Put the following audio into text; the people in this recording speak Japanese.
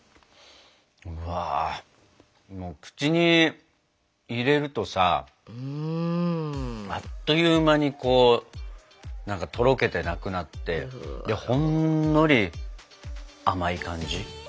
うわ口に入れるとさあっという間にとろけてなくなってほんのり甘い感じ。